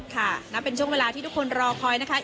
ค่ะนับเป็นช่วงเวลาที่ทุกคนรอคอยนะคะ